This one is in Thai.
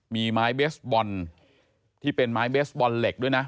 มีไม้เบสบอลที่เป็นไม้เบสบอลเหล็กด้วยนะ